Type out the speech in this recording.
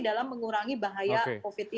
dalam mengurangi bahaya covid sembilan belas